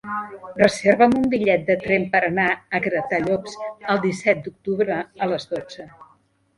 Reserva'm un bitllet de tren per anar a Gratallops el disset d'octubre a les dotze.